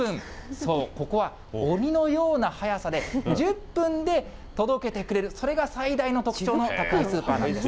そう、ここは鬼のような速さで、１０分で届けてくれる、それが最大の特徴の宅配スーパーなんです。